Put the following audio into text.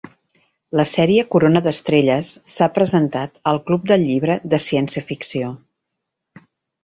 La sèrie Corona d'estrelles s'ha presentat al Club del llibre de ciència-ficció.